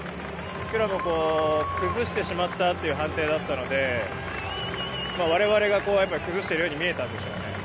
スクラムを崩してしまったという判定だったので我々が崩しているように見えたんでしょうね。